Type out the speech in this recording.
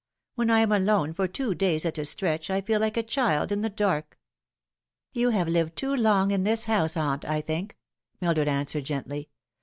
When I am alone for two days at a stretch I feel like a child in the dark." "You have lived too long in this house, aunt, I think," Mildred answered gently.